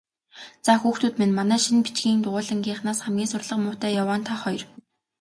Заа, хүүхдүүд минь, манай шинэ бичгийн дугуйлангийнхнаас хамгийн сурлага муутай яваа нь та хоёр.